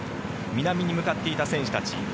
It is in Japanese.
南に向かっていた選手たち。